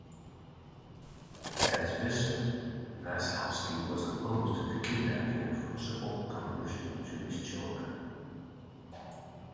As bishop, Massalski was opposed to the kidnapping and forcible conversion of Jewish children.